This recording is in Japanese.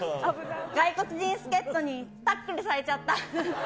外国人助っ人にタックルされちゃった。